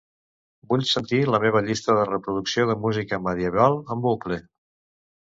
Vull sentir la meva llista de reproducció de Música Medieval en bucle.